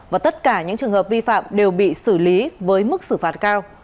và tất cả những trường hợp vi phạm đều bị xử lý với mức xử phạt cao